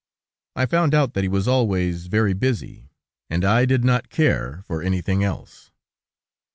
I found out that he was always very busy, and I did not care for anything else.